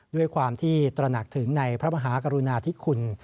ด้วยความที่ตระหนักถึงในพระมหากรุณาธิคุณ